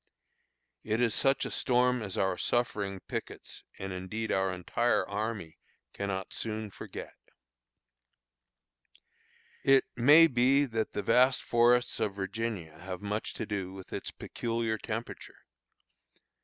It is such a storm as our suffering pickets, and indeed our entire army, cannot soon forget. It may be that the vast forests of Virginia have much to do with its peculiar temperature.